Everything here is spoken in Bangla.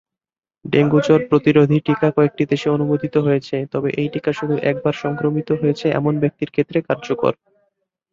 ডেঙ্গু জ্বর প্রতিরোধী টিকা কয়েকটি দেশে অনুমোদিত হয়েছে তবে এই টিকা শুধু একবার সংক্রমিত হয়েছে এমন ব্যক্তির ক্ষেত্রে কার্যকর।